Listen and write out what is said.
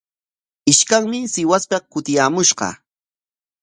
Ishkanmi Sihuaspik kutiyaamushqa.